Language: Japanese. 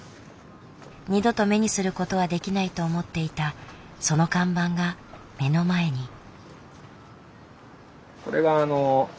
二度と目にすることはできないと思っていたその看板が目の前に。